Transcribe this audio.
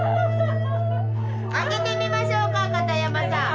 開けてみましょうか片山さん。